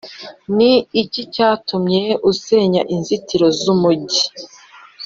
Ni iki cyatumye usenya inzitiro z’umujyi?